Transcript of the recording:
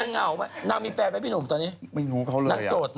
ง่าวเมื่อน้าวมีแฟนไหมพี่หนุ๊คน์ตัวนี้หนักโสดเนอะเมื่อหนูเท่าไร